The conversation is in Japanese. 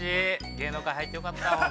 芸能界入ってよかった。